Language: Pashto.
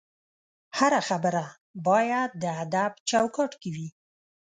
هره خبره باید د ادب چوکاټ کې وي